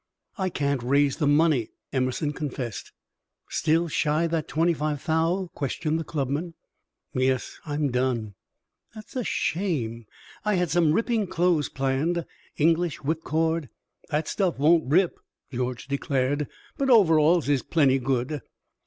"I can't raise the money," Emerson confessed. "Still shy that twenty five thou?" questioned the clubman. "Yes! I'm done." "That's a shame! I had some ripping clothes planned English whip cord " "That stuff won't rip," George declared. "But over alls is plenty good."